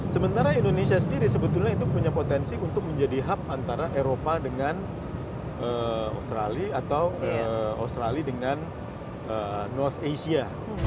sementara indonesia sendiri sebetulnya itu punya potensi untuk menjadi hub antara eropa dengan australia atau australia dengan north asia